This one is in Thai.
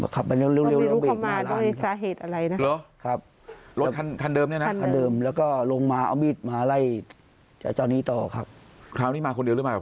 ครับขับไปเร็วมาร้านนี้ครับร้านนี้ครับร้านนี้ครับ